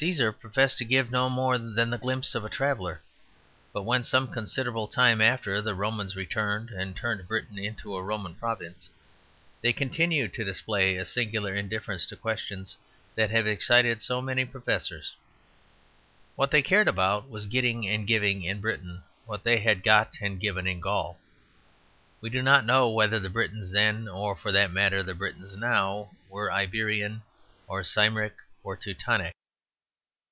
Cæsar professed to give no more than the glimpse of a traveller; but when, some considerable time after, the Romans returned and turned Britain into a Roman province, they continued to display a singular indifference to questions that have excited so many professors. What they cared about was getting and giving in Britain what they had got and given in Gaul. We do not know whether the Britons then, or for that matter the Britons now, were Iberian or Cymric or Teutonic.